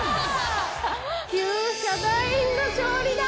旧ヒャダインの勝利だ。